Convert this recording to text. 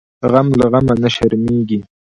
غم له غمه نه شرمیږي .